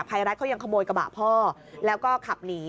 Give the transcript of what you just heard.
ภัยรัฐเขายังขโมยกระบะพ่อแล้วก็ขับหนี